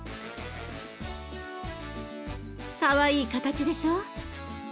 かわいい形でしょ？